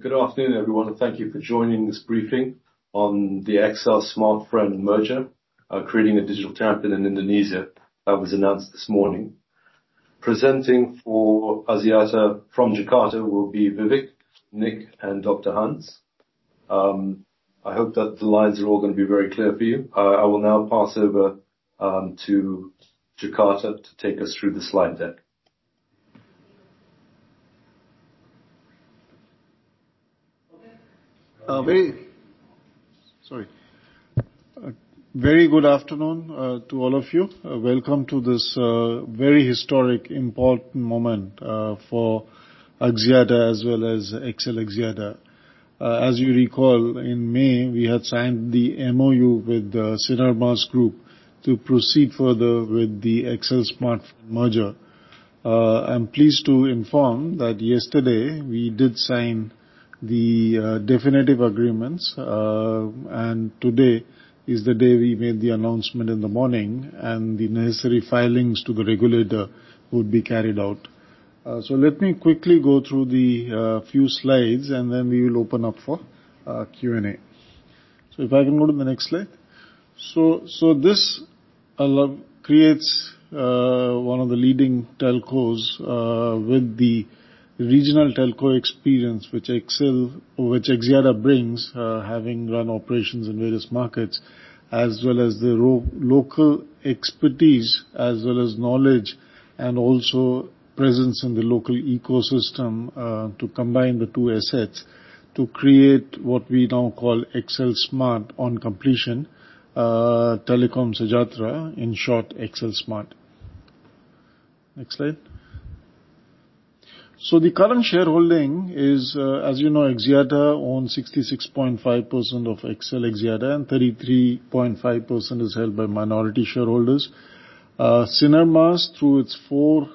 Good afternoon, everyone, and thank you for joining this briefing on the XL Axiata Smartfren merger, creating a digital champion in Indonesia that was announced this morning. Presenting for Axiata from Jakarta will be Vivek, Nik, and Dr. Hans. I hope that the lines are all going to be very clear for you. I will now pass over to Jakarta to take us through the slide deck. Very good afternoon to all of you. Welcome to this very historic, important moment for Axiata as well as XL Axiata. As you recall, in May, we had signed the MOU with the Sinar Mas Group to proceed further with the XL Axiata Smartfren merger. I'm pleased to inform that yesterday we did sign the definitive agreements, and today is the day we made the announcement in the morning, and the necessary filings to the regulator would be carried out. So let me quickly go through the few slides, and then we will open up for Q&A. So if I can go to the next slide. So this creates one of the leading telcos with the regional telco experience which XL Axiata brings, having run operations in various markets, as well as the local expertise, as well as knowledge, and also presence in the local ecosystem to combine the two assets to create what we now call XLSMART on completion Telecom Sejahtera, in short, XLSMART. Next slide. So the current shareholding is, as you know, Axiata owns 66.5% of XL Axiata, and 33.5% is held by minority shareholders. Sinar Mas, through its four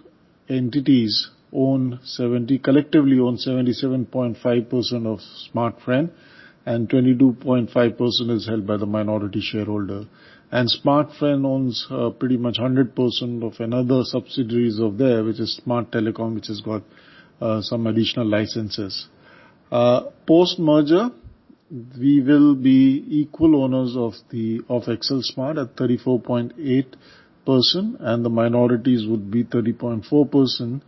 entities, collectively owns 77.5% of Smartfren, and 22.5% is held by the minority shareholder. And Smartfren owns pretty much 100% of another subsidiary of there, which is Smart Telecom, which has got some additional licenses. Post-merger, we will be equal owners of XLSmart at 34.8%, and the minorities would be 30.4%.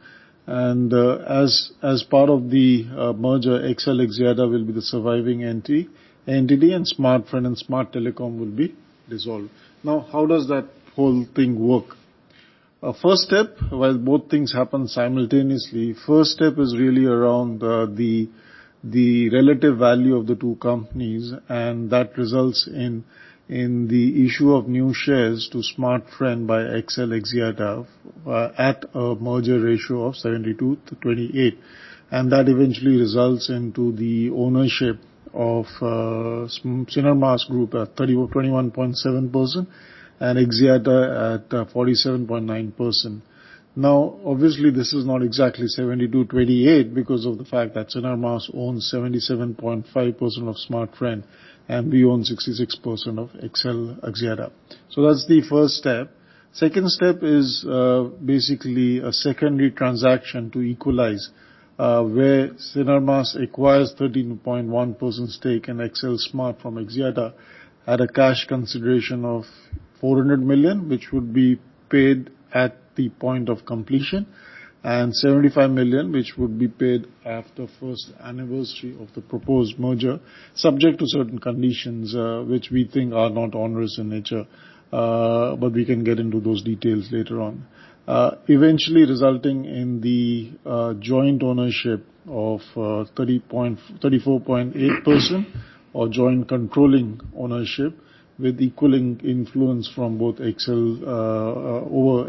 As part of the merger, XL Axiata will be the surviving entity, and Smartfren and Smart Telecom will be dissolved. Now, how does that whole thing work? First step, while both things happen simultaneously, first step is really around the relative value of the two companies, and that results in the issue of new shares to Smartfren by XL Axiata at a merger ratio of 72 to 28. And that eventually results into the ownership of Sinar Mas Group at 21.7% and Axiata at 47.9%. Now, obviously, this is not exactly 72 to 28 because of the fact that Sinar Mas owns 77.5% of Smartfren, and we own 66% of XL Axiata. So that's the first step. Second step is basically a secondary transaction to equalize where Sinar Mas acquires 13.1% stake in XLSMART from Axiata at a cash consideration of $400 million, which would be paid at the point of completion, and $75 million, which would be paid after the first anniversary of the proposed merger, subject to certain conditions which we think are not onerous in nature, but we can get into those details later on. Eventually resulting in the joint ownership of 34.8% or joint controlling ownership with equal influence from both over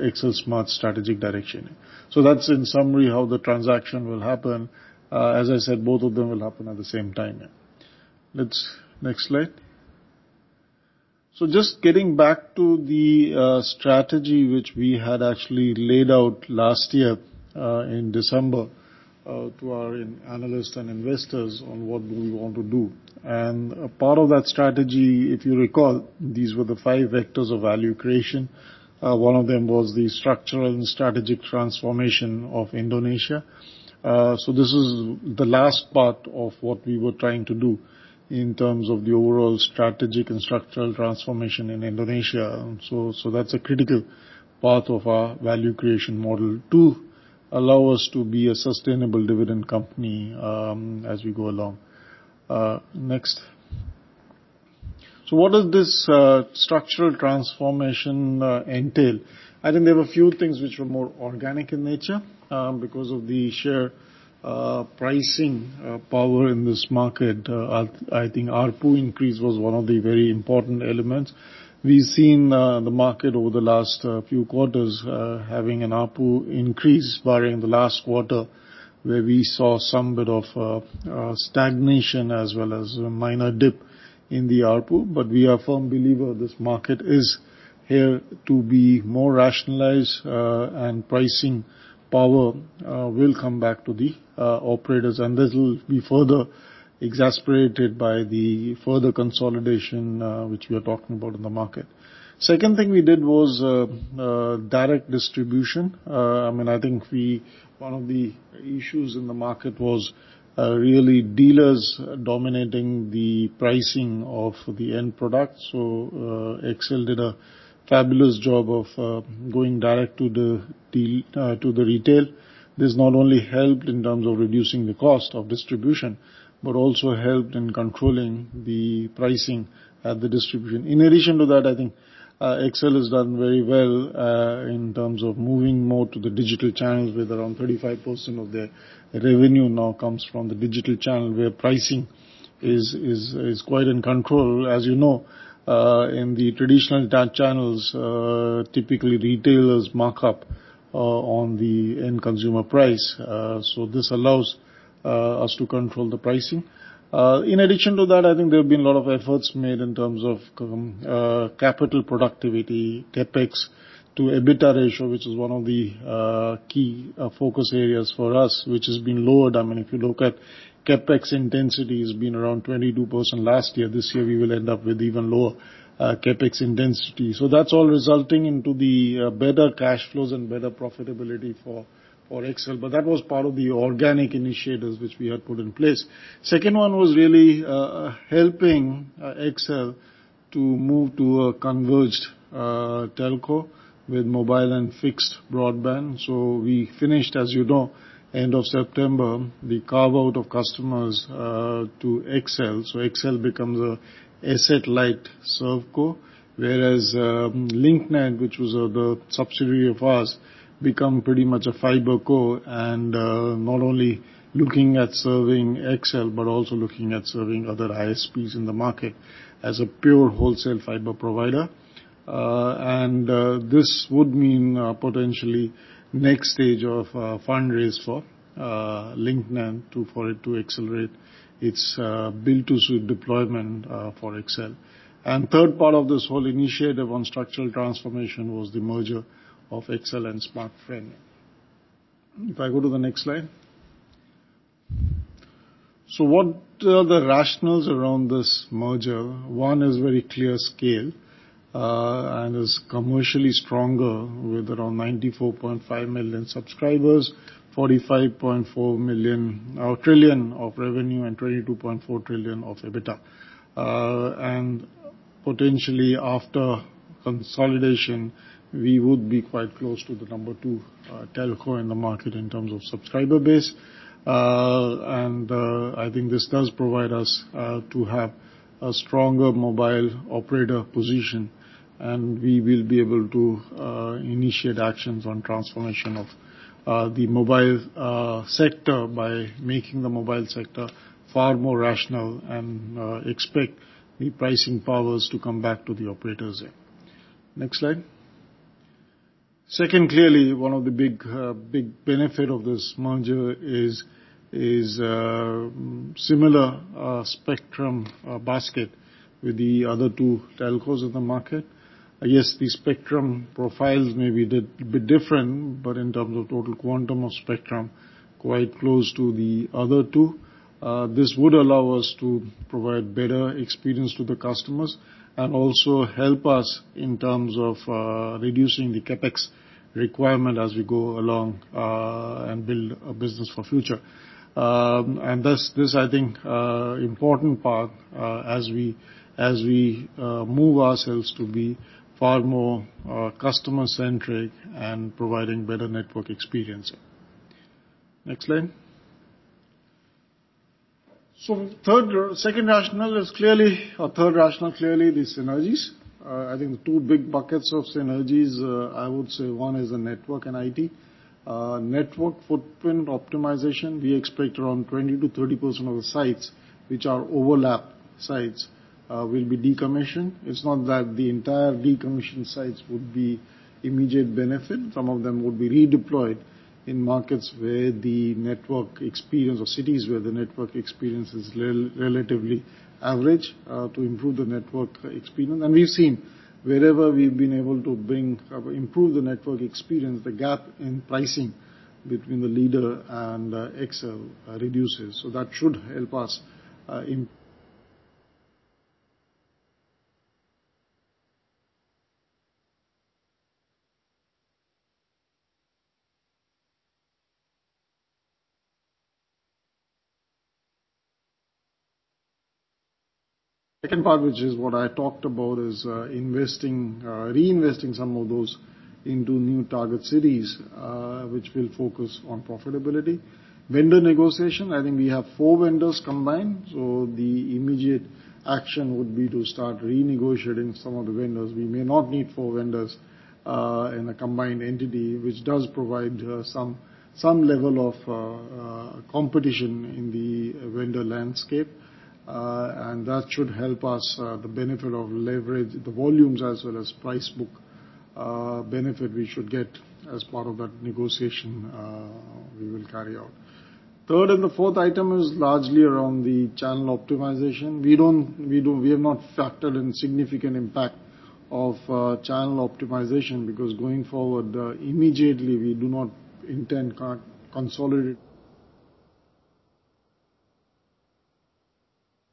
XLSMART's strategic direction. So that's in summary how the transaction will happen. As I said, both of them will happen at the same time. Next slide. So just getting back to the strategy which we had actually laid out last year in December to our analysts and investors on what we want to do. Part of that strategy, if you recall, these were the five vectors of value creation. One of them was the structural and strategic transformation of Indonesia. So this is the last part of what we were trying to do in terms of the overall strategic and structural transformation in Indonesia. So that's a critical part of our value creation model to allow us to be a sustainable dividend company as we go along. Next. So what does this structural transformation entail? I think there were a few things which were more organic in nature because of the sheer pricing power in this market. I think ARPU increase was one of the very important elements. We've seen the market over the last few quarters having an ARPU increase barring the last quarter where we saw some bit of stagnation as well as a minor dip in the ARPU. But we are a firm believer this market is here to be more rationalized, and pricing power will come back to the operators, and this will be further exasperated by the further consolidation which we are talking about in the market. Second thing we did was direct distribution. I mean, I think one of the issues in the market was really dealers dominating the pricing of the end product. So XL Axiata did a fabulous job of going direct to the retail. This not only helped in terms of reducing the cost of distribution, but also helped in controlling the pricing at the distribution. In addition to that, I think XL Axiata has done very well in terms of moving more to the digital channels with around 35% of their revenue now comes from the digital channel where pricing is quite in control. As you know, in the traditional channels, typically retailers mark up on the end consumer price. So this allows us to control the pricing. In addition to that, I think there have been a lot of efforts made in terms of capital productivity, CapEx to EBITDA ratio, which is one of the key focus areas for us, which has been lowered. I mean, if you look at CapEx intensity, it's been around 22% last year. This year, we will end up with even lower CapEx intensity. So that's all resulting into the better cash flows and better profitability for XL Axiata. But that was part of the organic initiatives which we had put in place. Second one was really helping XL to move to a converged telco with mobile and fixed broadband. So we finished, as you know, end of September, the carve-out of customers to XL. So XL becomes an asset-light ServeCo, whereas Link Net, which was the subsidiary of ours, became pretty much a FiberCo and not only looking at serving XL, but also looking at serving other ISPs in the market as a pure wholesale fiber provider. And this would mean potentially next stage of fundraise for Link Net for it to accelerate its build-to-suit deployment for XL. And third part of this whole initiative on structural transformation was the merger of XL and Smartfren. If I go to the next slide. So what are the rationales around this merger? One is very clear scale and is commercially stronger with around 94.5 million subscribers, 45.4 trillion of revenue, and 22.4 trillion of EBITDA. And potentially after consolidation, we would be quite close to the number two telco in the market in terms of subscriber base. I think this does provide us to have a stronger mobile operator position, and we will be able to initiate actions on transformation of the mobile sector by making the mobile sector far more rational and expect the pricing powers to come back to the operators. Next slide. Second, clearly, one of the big benefits of this merger is similar spectrum basket with the other two telcos in the market. Yes, the spectrum profiles may be a bit different, but in terms of total quantum of spectrum, quite close to the other two. This would allow us to provide better experience to the customers and also help us in terms of reducing the CapEx requirement as we go along and build a business for the future. And this, I think, is an important part as we move ourselves to be far more customer-centric and providing better network experience. Next slide, so second rationale is clearly, or third rationale clearly, the synergies. I think the two big buckets of synergies, I would say one is the network and IT. Network footprint optimization, we expect around 20%-30% of the sites which are overlap sites will be decommissioned. It's not that the entire decommissioned sites would be immediate benefit. Some of them would be redeployed in markets where the network experience or cities where the network experience is relatively average to improve the network experience, and we've seen wherever we've been able to improve the network experience, the gap in pricing between the leader and XL reduces, so that should help us. Second part, which is what I talked about, is reinvesting some of those into new target cities which will focus on profitability. Vendor negotiation, I think we have four vendors combined. The immediate action would be to start renegotiating some of the vendors. We may not need four vendors in a combined entity, which does provide some level of competition in the vendor landscape. And that should help us the benefit of leverage, the volumes as well as price book benefit we should get as part of that negotiation we will carry out. Third and the fourth item is largely around the channel optimization. We have not factored in significant impact of channel optimization because going forward, immediately we do not intend consolidate.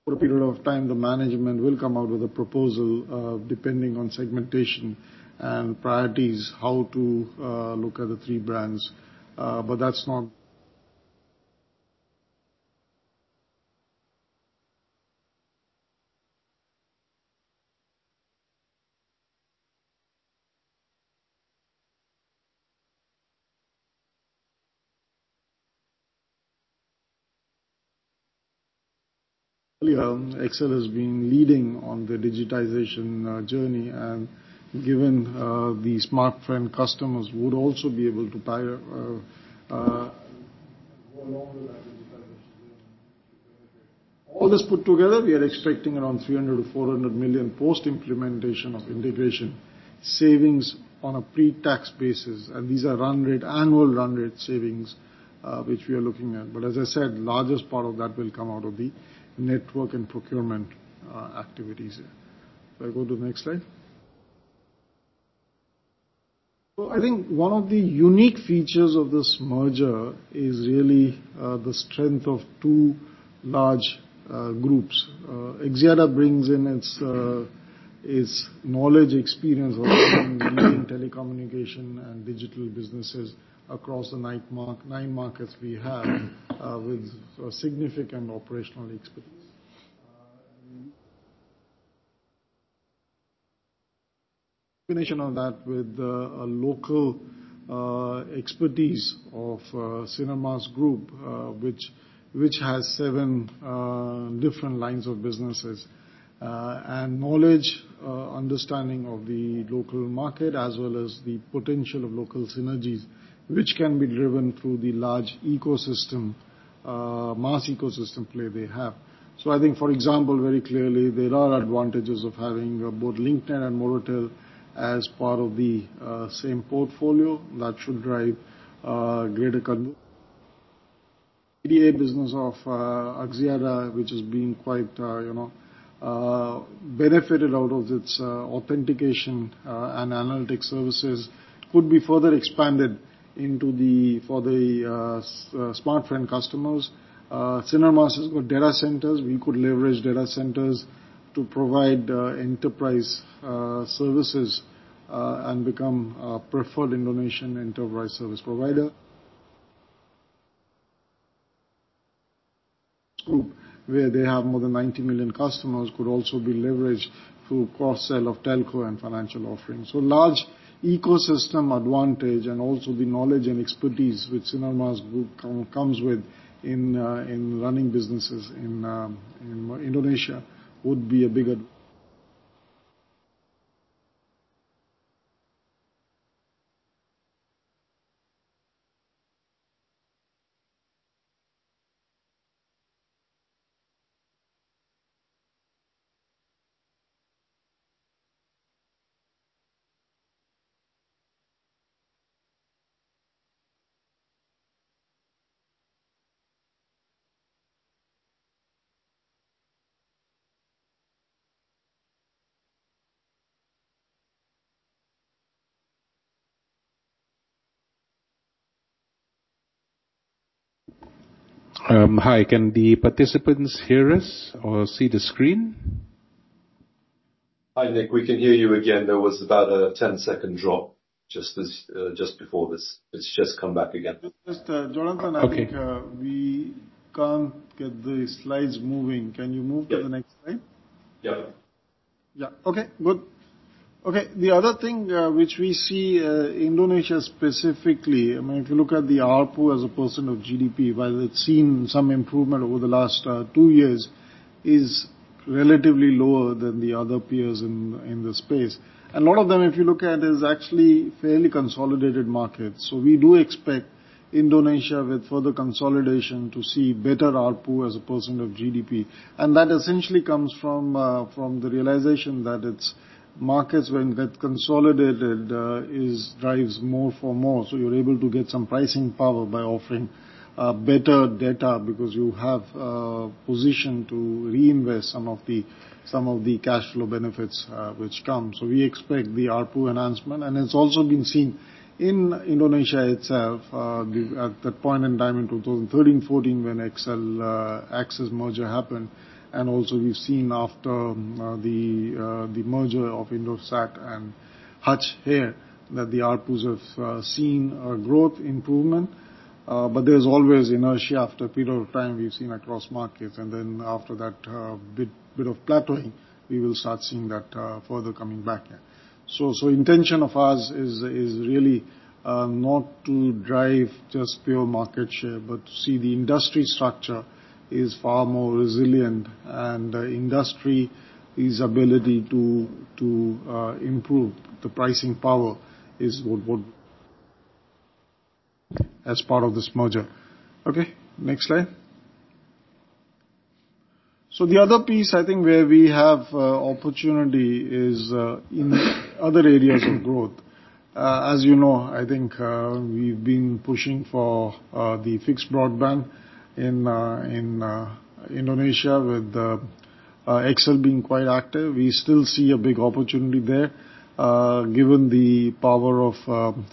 For a period of time, the management will come out with a proposal depending on segmentation and priorities, how to look at the three brands. But that's not. XL Axiata has been leading on the digitization journey, and given the Smartfren customers would also be able to go along with that digitization. All this put together, we are expecting around $300 million-$400 million post-implementation of integration savings on a pre-tax basis. And these are annual run rate savings which we are looking at. But as I said, the largest part of that will come out of the network and procurement activities. If I go to the next slide. So I think one of the unique features of this merger is really the strength of two large groups. XL Axiata brings in its knowledge, experience of leading telecommunication and digital businesses across the nine markets we have with significant operational experience. In combination of that with local expertise of Sinar Mas Group, which has seven different lines of businesses, and knowledge, understanding of the local market as well as the potential of local synergies which can be driven through the large ecosystem, mass ecosystem play they have. So I think, for example, very clearly there are advantages of having both Link Net and Moratel as part of the same portfolio that should drive greater consolidation. The business of Axiata, which has been quite benefited out of its authentication and analytic services, could be further expanded for the Smartfren customers. Sinar Mas has got data centers. We could leverage data centers to provide enterprise services and become a preferred Indonesian enterprise service provider. Group where they have more than 90 million customers could also be leveraged through cross-sell of telco and financial offerings. So large ecosystem advantage and also the knowledge and expertise which Sinar Mas comes with in running businesses in Indonesia would be a big advantage. Hi, can the participants hear us or see the screen? Hi, Nik. We can hear you again. There was about a 10-second drop just before this. It's just come back again. Mr. Jonathan, I think we can't get the slides moving. Can you move to the next slide? Yep. Yeah. Okay. Good. Okay. The other thing which we see in Indonesia specifically, I mean, if you look at the ARPU as a percent of GDP, while it's seen some improvement over the last two years, is relatively lower than the other peers in the space. And a lot of them, if you look at, is actually fairly consolidated markets. So we do expect Indonesia with further consolidation to see better ARPU as a percent of GDP. And that essentially comes from the realization that its markets, when consolidated, drive more for more. So you're able to get some pricing power by offering better data because you have a position to reinvest some of the cash flow benefits which come. So we expect the ARPU enhancement. And it's also been seen in Indonesia itself at that point in time in 2013, 2014, when XL Axiata merger happened. And also we've seen after the merger of Indosat and Hutchison here that the ARPUs have seen a growth improvement. But there's always inertia after a period of time we've seen across markets. And then after that bit of plateauing, we will start seeing that further coming back here. So intention of ours is really not to drive just pure market share, but to see the industry structure is far more resilient. And industry's ability to improve the pricing power is what we want as part of this merger. Okay. Next slide. So the other piece I think where we have opportunity is in other areas of growth. As you know, I think we've been pushing for the fixed broadband in Indonesia with XL being quite active. We still see a big opportunity there. Given the power of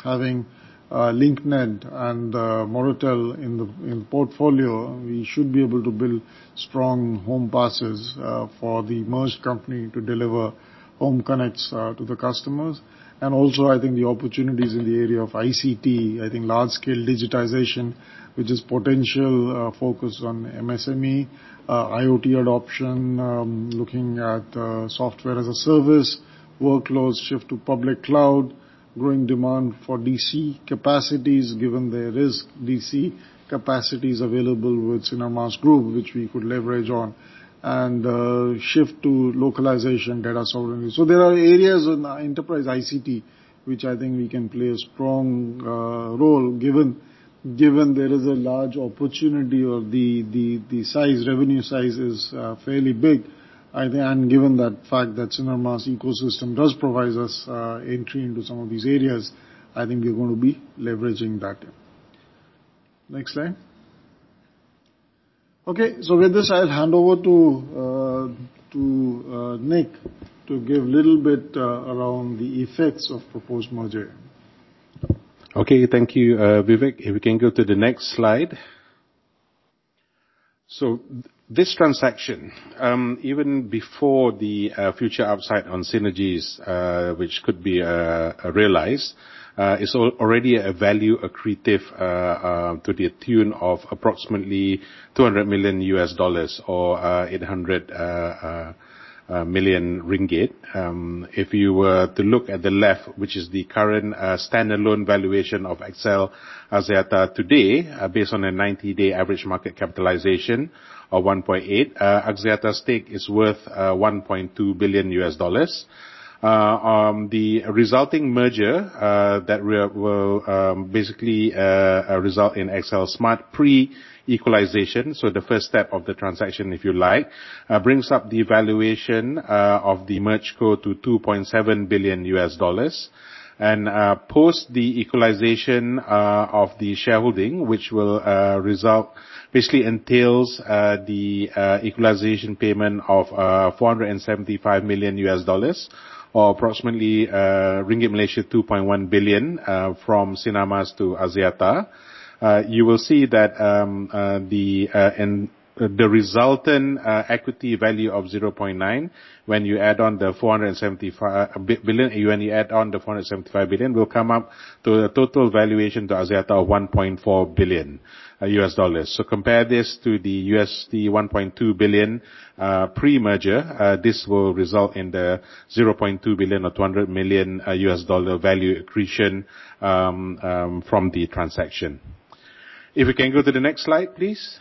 having Link Net and Moratel in the portfolio, we should be able to build strong home passes for the merged company to deliver home connects to the customers, and also, I think the opportunities in the area of ICT, I think large-scale digitization, which is potential focus on MSME, IoT adoption, looking at software as a service, workloads shift to public cloud, growing demand for DC capacities given the risk DC capacities available with Sinar Mas Group, which we could leverage on, and shift to localization, data sovereignty, so there are areas in enterprise ICT which I think we can play a strong role given there is a large opportunity or the revenue size is fairly big, and given that fact that Sinar Mas ecosystem does provide us entry into some of these areas, I think we're going to be leveraging that. Next slide. Okay. So with this, I'll hand over to Nik to give a little bit around the effects of proposed merger. Okay. Thank you, Vivek. If we can go to the next slide. So this transaction, even before the future upside on synergies which could be realized, is already a value accretive to the tune of approximately $200 million or MYR 800 million. If you were to look at the left, which is the current standalone valuation of XL Axiata today based on a 90-day average market capitalization of $1.8 billion, Axiata's stake is worth $1.2 billion. The resulting merger that will basically result in XLSMART pre-equalization, so the first step of the transaction if you like, brings up the valuation of the MergeCo to $2.7 billion. Post the equalization of the shareholding, which will result basically entails the equalization payment of $475 million or approximately MYR 2.1 billion from Sinar Mas to Axiata. You will see that the resultant equity value of $0.9 billion, when you add on the $475 billion, when you add on the $475 billion, will come up to a total valuation to Axiata of $1.4 billion. So compare this to the $1.2 billion pre-merger. This will result in the $0.2 billion or $200 million US dollar value accretion from the transaction. If we can go to the next slide, please.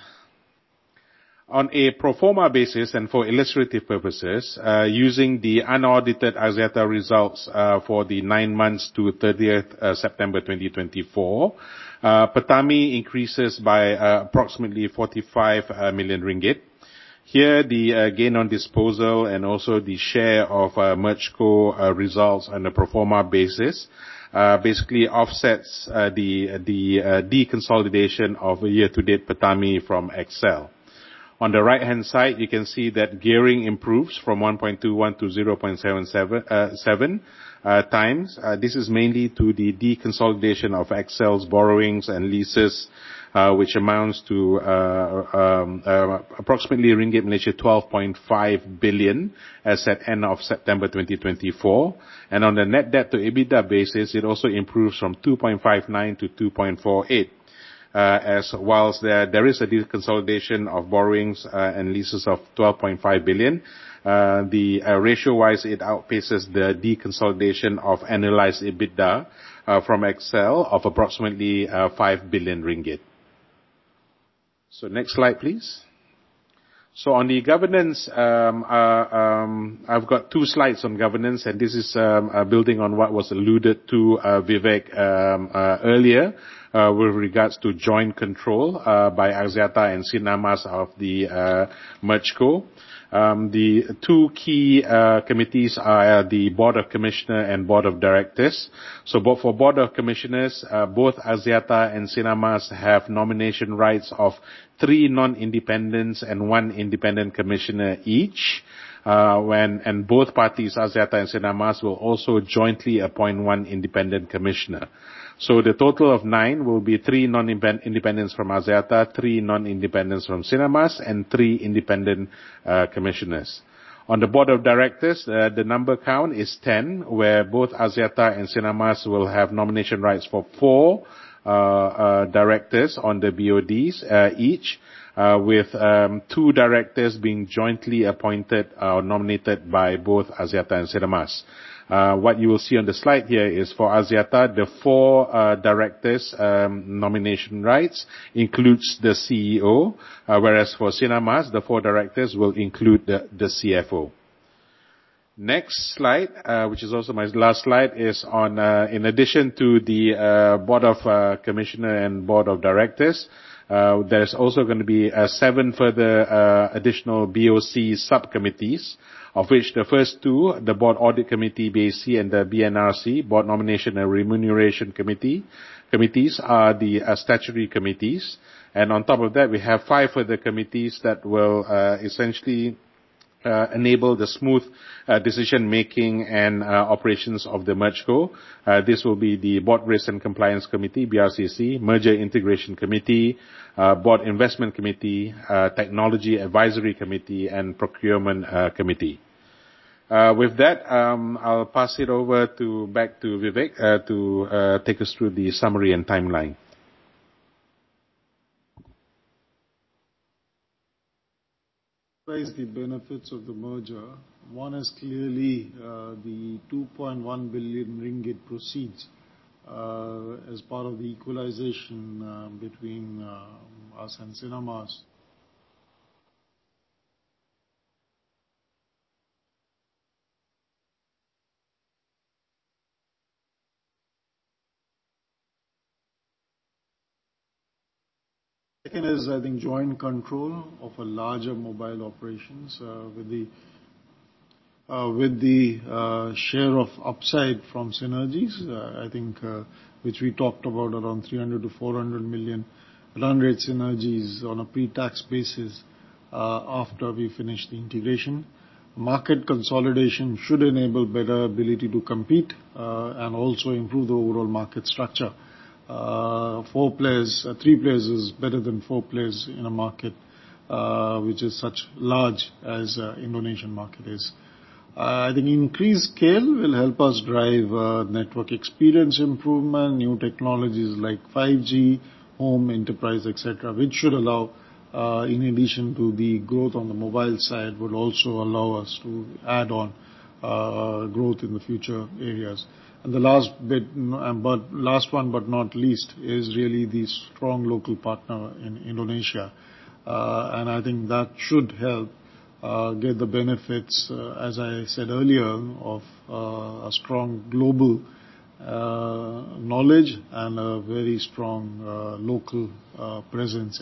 On a pro forma basis and for illustrative purposes, using the unaudited Axiata results for the nine months to 30th September 2024, PATAMI increases by approximately 45 million ringgit. Here, the gain on disposal and also the share of MergeCo results on a pro forma basis basically offsets the deconsolidation of a year-to-date PATAMI from XL. On the right-hand side, you can see that gearing improves from 1.21 to 0.77 times. This is mainly to the deconsolidation of XL's borrowings and leases, which amounts to approximately 12.5 billion ringgit as at end of September 2024, and on the net debt to EBITDA basis, it also improves from 2.59 to 2.48. Whilst there is a deconsolidation of borrowings and leases of 12.5 billion, the ratio-wise, it outpaces the deconsolidation of annualised EBITDA from XL Axiata of approximately 5 billion ringgit. So next slide, please. So on the governance, I've got two slides on governance, and this is building on what was alluded to, Vivek, earlier with regards to joint control by Axiata and Sinar Mas of the MergeCo. The two key committees are the Board of Commissioners and Board of Directors. So for Board of Commissioners, both Axiata and Sinar Mas have nomination rights of three non-independents and one independent commissioner each. And both parties, Axiata and Sinar Mas, will also jointly appoint one independent commissioner. So the total of nine will be three non-independents from Axiata, three non-independents from Sinar Mas, and three independent commissioners. On the Board of Directors, the number count is 10, where both Axiata and Sinar Mas will have nomination rights for four directors on the BODs each, with two directors being jointly appointed or nominated by both Axiata and Sinar Mas. What you will see on the slide here is for Axiata, the four directors' nomination rights include the CEO, whereas for Sinar Mas, the four directors will include the CFO. Next slide, which is also my last slide, is on in addition to the Board of Commissioners and Board of Directors, there's also going to be seven further additional BOC subcommittees, of which the first two, the Board Audit Committee BAC and the BNRC Board Nomination and Remuneration Committees, are the statutory committees. And on top of that, we have five further committees that will essentially enable the smooth decision-making and operations of the MergeCo. This will be the Board Risk and Compliance Committee, BRCC, Merger Integration Committee, Board Investment Committee, Technology Advisory Committee, and Procurement Committee. With that, I'll pass it back to Vivek to take us through the summary and timeline. Basically, benefits of the merger, one is clearly the 2.1 billion ringgit proceeds as part of the equalization between us and Sinar Mas. Second is, I think, joint control of a larger mobile operations with the share of upside from synergies, I think, which we talked about around $300 million-$400 million run rate synergies on a pre-tax basis after we finish the integration. Market consolidation should enable better ability to compete and also improve the overall market structure. Three players is better than four players in a market which is such large as the Indonesian market is. I think increased scale will help us drive network experience improvement, new technologies like 5G, home enterprise, etc., which should allow, in addition to the growth on the mobile side, would also allow us to add on growth in the future areas. And the last one, but not least, is really the strong local partner in Indonesia. I think that should help get the benefits, as I said earlier, of a strong global knowledge and a very strong local presence.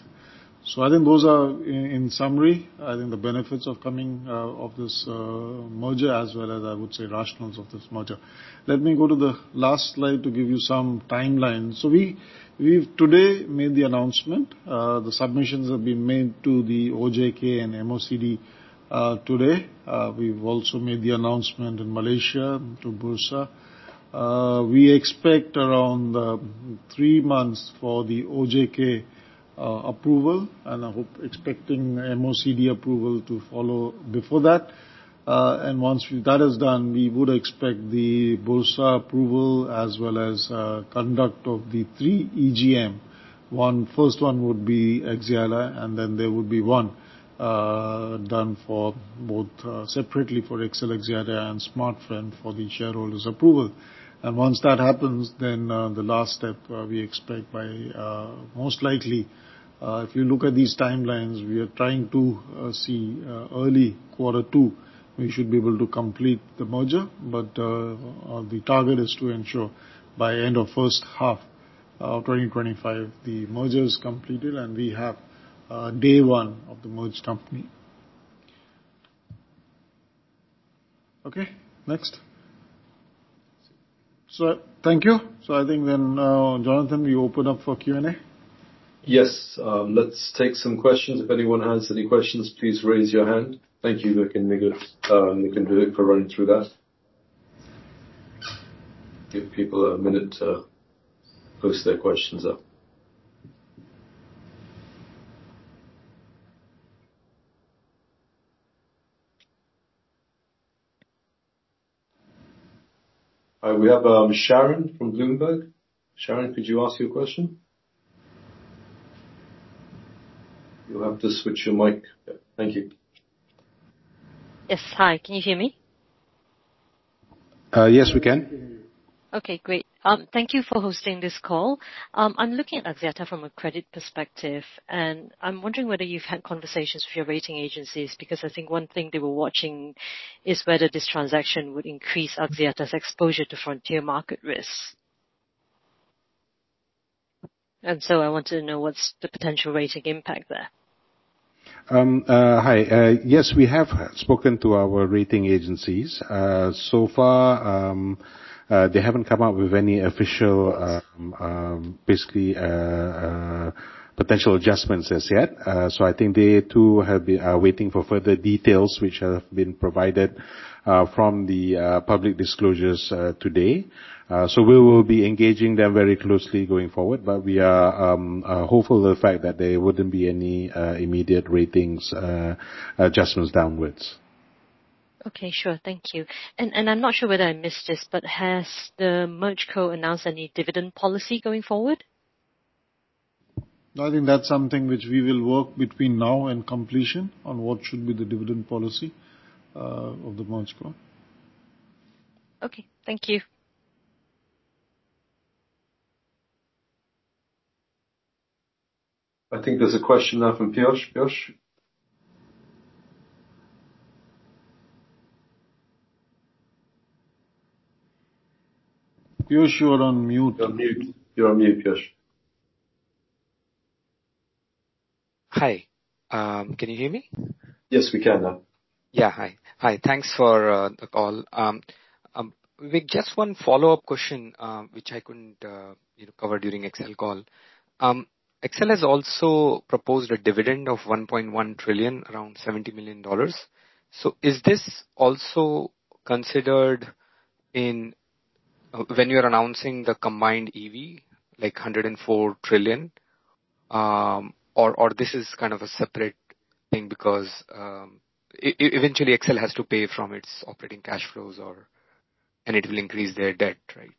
So I think those are, in summary, I think the benefits of coming out of this merger as well as, I would say, rationale of this merger. Let me go to the last slide to give you some timeline. So we've today made the announcement. The submissions have been made to the OJK and MoCD today. We've also made the announcement in Malaysia to Bursa. We expect around three months for the OJK approval, and I hope expecting MoCD approval to follow before that. And once that is done, we would expect the Bursa approval as well as conduct of the three EGM. First one would be Axiata, and then there would be one done separately for XL Axiata and Smartfren for the shareholders' approval. And once that happens, then the last step we expect by most likely, if you look at these timelines, we are trying to see early quarter two, we should be able to complete the merger. But the target is to ensure by end of first half of 2025, the merger is completed and we have day one of the merged company. Okay. Next. So thank you. So I think then, Jonathan, you open up for Q&A? Yes. Let's take some questions. If anyone has any questions, please raise your hand. Thank you, Vivek and Vivek for running through that. Give people a minute to post their questions up. All right. We have Sharon from Bloomberg. Sharon, could you ask your question? You'll have to switch your mic. Thank you. Yes. Hi. Can you hear me? Yes, we can. Okay. Great. Thank you for hosting this call. I'm looking at Axiata from a credit perspective, and I'm wondering whether you've had conversations with your rating agencies because I think one thing they were watching is whether this transaction would increase Axiata's exposure to frontier market risks. And so I want to know what's the potential rating impact there. Hi. Yes, we have spoken to our rating agencies. So far, they haven't come up with any official basically potential adjustments as yet. So I think they too are waiting for further details which have been provided from the public disclosures today. So we will be engaging them very closely going forward, but we are hopeful of the fact that there wouldn't be any immediate rating adjustments downwards. Okay. Sure. Thank you. And I'm not sure whether I missed this, but has the MergeCo announced any dividend policy going forward? No, I think that's something which we will work between now and completion on what should be the dividend policy of the MergeCo. Okay. Thank you. I think there's a question now from Piyush. Piyush? Piyush, you're on mute. You're on mute. You're on mute, Piyush. Hi. Can you hear me? Yes, we can now. Yeah. Hi. Hi. Thanks for the call. Vivek, just one follow-up question which I couldn't cover during XL call. XL has also proposed a dividend of 1.1 trillion, around $70 million. So is this also considered when you're announcing the combined EV, like 104 trillion, or this is kind of a separate thing because eventually XL has to pay from its operating cash flows and it will increase their debt, right?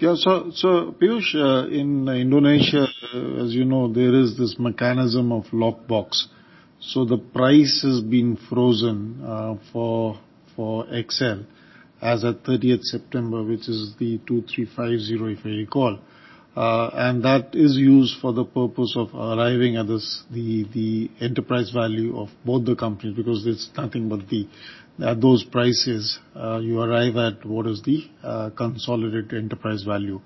Yeah. So Piyush, in Indonesia, as you know, there is this mechanism of lockbox. So the price has been frozen for XL Axiata as of 30th September, which is the 2,350, if I recall. And that is used for the purpose of arriving at the enterprise value of both the companies because there's nothing but those prices. You arrive at what is the consolidated enterprise value.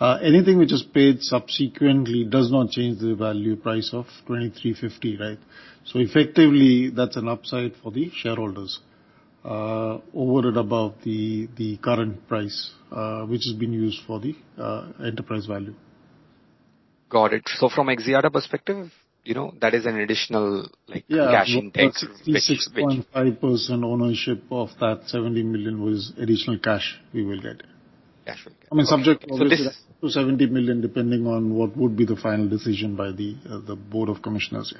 Anything which is paid subsequently does not change the value price of 2,350, right? So effectively, that's an upside for the shareholders over and above the current price which has been used for the enterprise value. Got it. So from Axiata perspective, that is an additional cash intake. Yeah. Basically, 25% ownership of that $70 million was additional cash we will get. I mean, subject to this. So this is up to $70 million depending on what would be the final decision by the Board of Commissioners.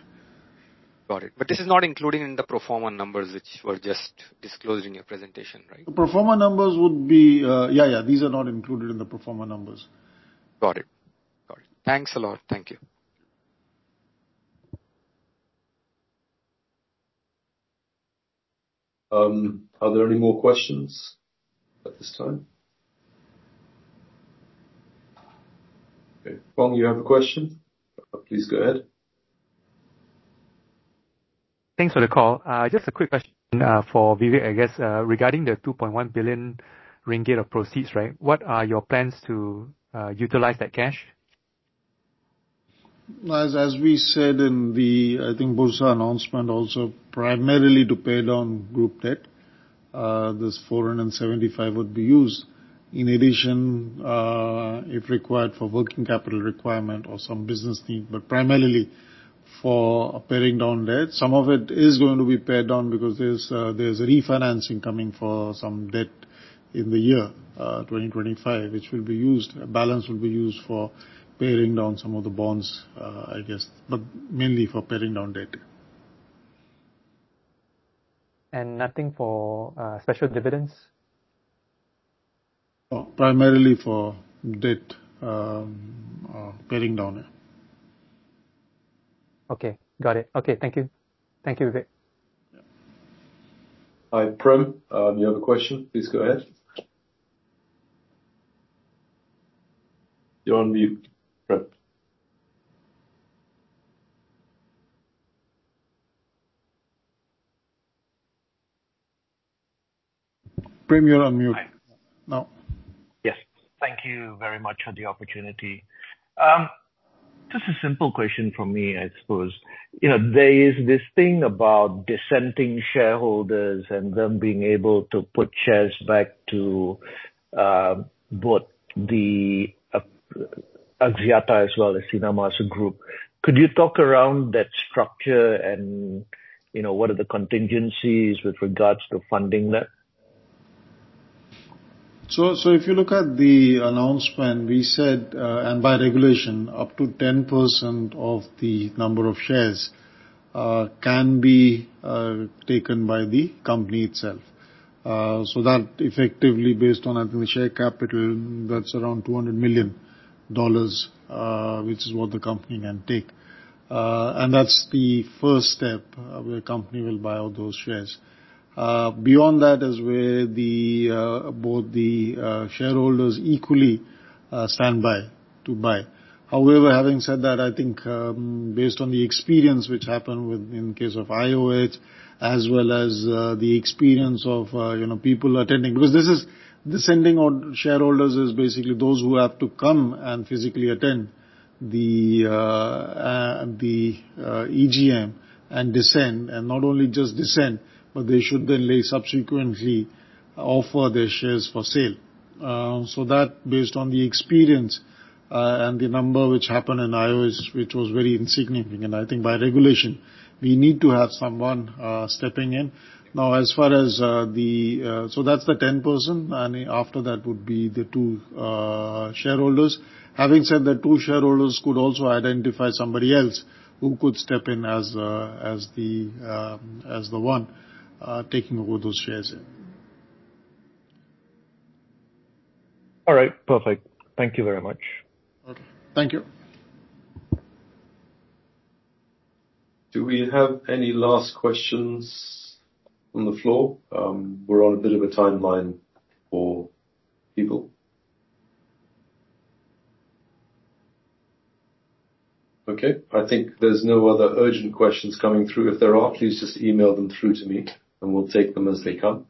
Got it. But this is not included in the pro forma numbers which were just disclosed in your presentation, right? The pro forma numbers would be yeah, yeah. These are not included in the pro forma numbers. Got it. Got it. Thanks a lot. Thank you. Are there any more questions at this time? Okay. Foong, you have a question? Please go ahead. Thanks for the call. Just a quick question for Vivek, I guess, regarding the 2.1 billion ringgit of proceeds, right? What are your plans to utilize that cash? As we said in the, I think, Bursa announcement, also primarily to pay down group debt, this 475 would be used in addition if required for working capital requirement or some business need, but primarily for paying down debt. Some of it is going to be paid down because there's a refinancing coming for some debt in the year 2025, which will be used, a balance will be used for paying down some of the bonds, I guess, but mainly for paying down debt. And nothing for special dividends? Primarily for debt paying down. Okay. Got it. Okay. Thank you. Thank you, Vivek. Hi, Prem. You have a question? Please go ahead. You're on mute, Prem. Prem, you're on mute. Now. Yes. Thank you very much for the opportunity. Just a simple question from me, I suppose. There is this thing about dissenting shareholders and them being able to put shares back to both the Axiata as well as Sinar Mas Group. Could you talk around that structure and what are the contingencies with regards to funding that? So if you look at the announcement, we said, and by regulation, up to 10% of the number of shares can be taken by the company itself. So that effectively, based on, I think, the share capital, that's around $200 million, which is what the company can take. And that's the first step where a company will buy all those shares. Beyond that is where both the shareholders equally stand by to buy. However, having said that, I think based on the experience which happened in the case of IOH as well as the experience of people attending, because this is dissenting shareholders is basically those who have to come and physically attend the EGM and dissent, and not only just dissent, but they should then subsequently offer their shares for sale. So that, based on the experience and the number which happened in IOH, which was very insignificant. I think by regulation, we need to have someone stepping in. Now, as far as the so that's the 10%, and after that would be the two shareholders. Having said that, two shareholders could also identify somebody else who could step in as the one taking over those shares. All right. Perfect. Thank you very much. Thank you. Do we have any last questions on the floor? We're on a bit of a timeline for people. Okay. I think there's no other urgent questions coming through. If there are, please just email them through to me, and we'll take them as they come.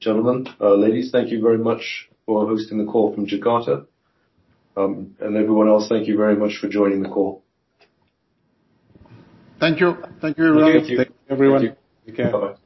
Gentlemen, ladies, thank you very much for hosting the call from Jakarta, and everyone else, thank you very much for joining the call. Thank you. Thank you, everyone. Thank you. Thank you. Take care. Bye.